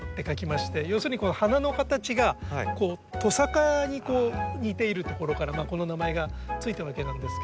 要するにこの花の形がトサカに似ているところからこの名前が付いたわけなんですけど。